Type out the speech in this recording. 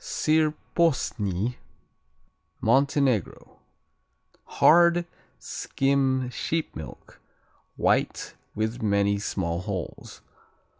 Sir Posny Montenegro Hard; skim sheep milk; white, with many small holes.